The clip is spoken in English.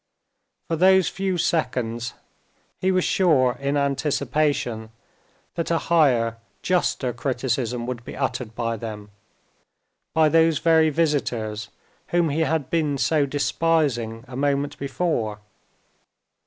For those few seconds he was sure in anticipation that a higher, juster criticism would be uttered by them, by those very visitors whom he had been so despising a moment before.